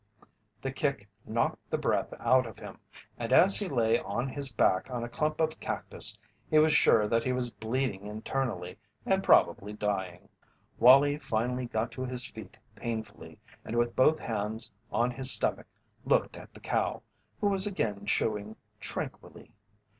The kick knocked the breath out of him, and as he lay on his back on a clump of cactus he was sure that he was bleeding internally and probably dying. Wallie finally got to his feet painfully and with both hands on his stomach looked at the cow, who was again chewing tranquilly.